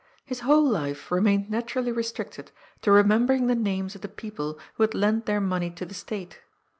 His whole life remained naturally restricted to remembering the names of the people who had lent their money to the State.